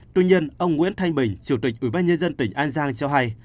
tuy nhiên ông nguyễn thanh bình chủ tịch ủy ban nhân dân tỉnh an giang cho hay